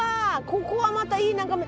ここはまたいい眺め。